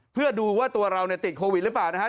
เพื่อดูว่าตัวเราติดโควิดหรือเปล่านะครับ